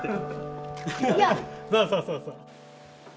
そうそうそうそう。